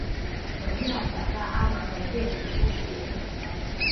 文耀找到阿毛和燕子误解。